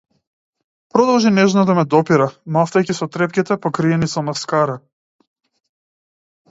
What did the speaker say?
Продолжи нежно да ме допира, мавтајќи со трепките покриени со маскара.